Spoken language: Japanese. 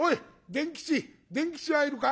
伝吉伝吉はいるか？